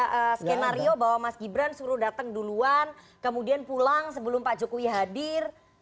ada skenario bahwa mas gibran suruh datang duluan kemudian pulang sebelum pak jokowi hadir